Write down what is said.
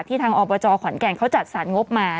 ที่ทางอปจขวัญแก่งเขาจัดสารงบมา